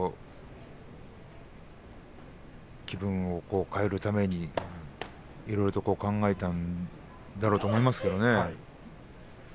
気分を変えるためにいろいろと考えてやると思いますけれどね。